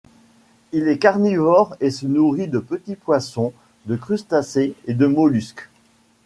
Il est carnivore et se nourrit de petits poissons, de crustacés et de mollusques.